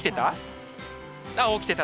起きてた？